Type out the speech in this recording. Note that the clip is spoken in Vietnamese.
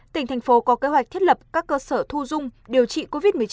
tỉnh thành phố có kế hoạch thiết lập các cơ sở thu dung điều trị covid một mươi chín